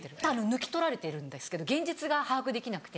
抜き取られてるんですけど現実が把握できなくて。